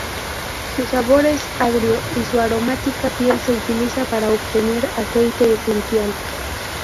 Su sabor es agrio y su aromática piel se utiliza para obtener aceite esencial.